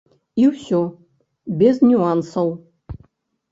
І ўсё, без нюансаў.